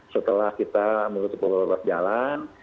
setelah kita menutupi perubatan jalan